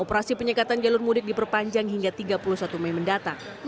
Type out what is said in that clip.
operasi penyekatan jalur mudik diperpanjang hingga tiga puluh satu mei mendatang